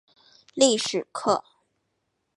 歷史課